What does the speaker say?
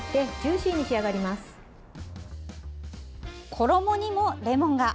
衣にもレモンが！